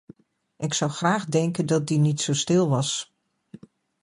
Ik zou graag denken dat die niet zo stil was.